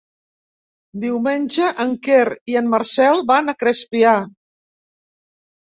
Diumenge en Quer i en Marcel van a Crespià.